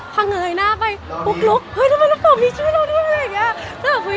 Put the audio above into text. พะเงยหน้าไปปุ๊บลุกเฮ้ยลูกโป่งมีชื่อเราด้วย